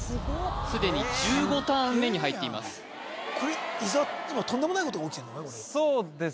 すでに１５ターン目に入っていますそうですね